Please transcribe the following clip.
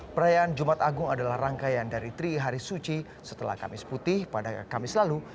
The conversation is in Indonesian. perayaan jumat agung adalah rangkaian dari trihari suci setelah kamis putih pada kamis lalu